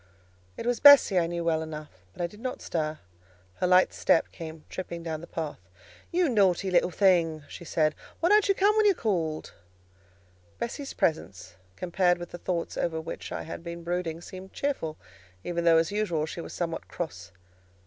It was Bessie, I knew well enough; but I did not stir; her light step came tripping down the path. "You naughty little thing!" she said. "Why don't you come when you are called?" Bessie's presence, compared with the thoughts over which I had been brooding, seemed cheerful; even though, as usual, she was somewhat cross.